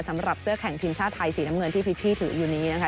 สำหรับเสื้อแข่งทีมชาติไทยสีน้ำเงินที่พิชชี่ถืออยู่นี้นะคะ